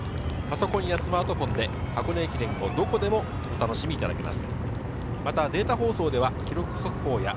パソコンやスマートフォンで箱根駅伝をどこでもお楽しみいただけます。